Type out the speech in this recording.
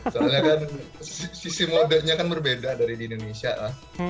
soalnya kan sisi modernya kan berbeda dari di indonesia lah